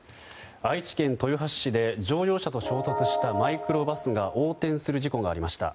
愛知県豊橋市で乗用車と衝突したマイクロバスが横転する事故がありました。